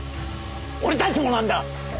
俺たちもなんだ！